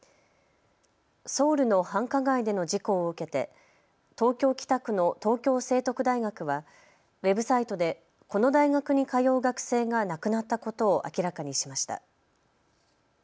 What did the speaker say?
ソウルの繁華街での事故を受けて東京北区の東京成徳大学はウェブサイトでこの大学に通う学生が亡くなったことを明らかにしました。